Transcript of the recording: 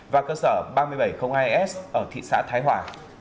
và cơ sở ba nghìn bảy trăm linh hai s ở thị xã thái hòa